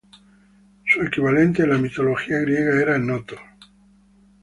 Su equivalente en la mitología griega era Noto.